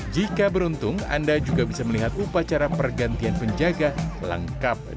jika beruntung anda juga bisa melihat upacara pergantian penjaga lengkap dengan formasi barisan penjaga